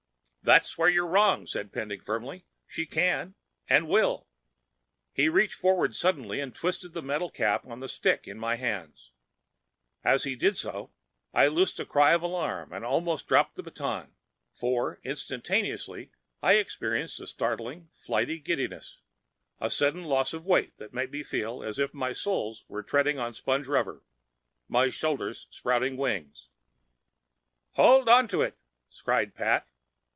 "There's where you're wrong," said Pending firmly. "She can—and will." He reached forward suddenly and twisted the metal cap on the stick in my hands. As he did so, I loosed a cry of alarm and almost dropped the baton. For instantaneously I experienced a startling, flighty giddiness, a sudden loss of weight that made me feel as if my soles were treading on sponge rubber, my shoulders sprouting wings. "Hold on to it!" cried Pat.